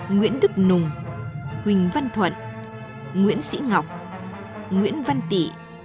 nguyễn đức nùng huỳnh văn thuận nguyễn sĩ ngọc nguyễn văn tị